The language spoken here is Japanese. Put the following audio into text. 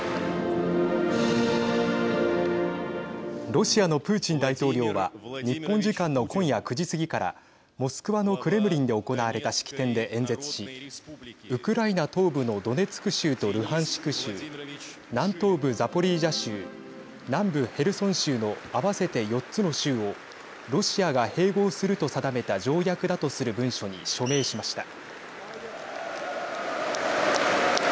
ロシアのプーチン大統領は日本時間の今夜９時過ぎからモスクワのクレムリンで行われた式典で演説しウクライナ東部のドネツク州とルハンシク州南東部ザポリージャ州南部ヘルソン州の合わせて４つの州をロシアが併合すると定めた条約だとする文書に署名しました。